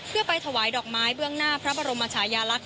เพื่อไปถวายดอกไม้เบื้องหน้าพระบรมชายาลักษณ์